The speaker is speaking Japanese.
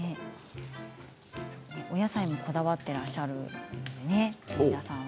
お野菜もこだわっていらっしゃるのでね、角田さんは。